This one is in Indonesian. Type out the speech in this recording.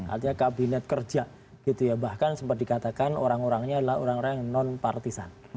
artinya kabinet kerja gitu ya bahkan sempat dikatakan orang orangnya adalah orang orang yang non partisan